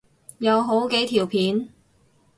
有好幾條片